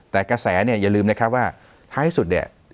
แต่กระแสอย่าลืมนะครับว่าท้ายสุด